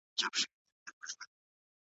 دوی سیاسي پرمختګونه هم ډېر مهم ګڼي.